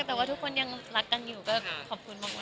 แต่ว่าทุกคนยังรักกันอยู่ก็ขอบคุณมาก